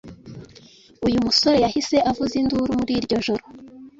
uyu musore yahise avuza induru muri iryo joro